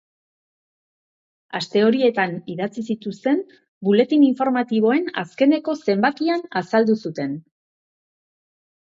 Aste horietan idatzi zituzten buletin informatiboen azkeneko zenbakian azaldu zuten.